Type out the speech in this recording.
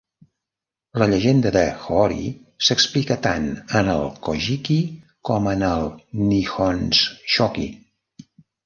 La llegenda d'Hoori s'explica tant en el "Kojiki" com en el Nihonshoki".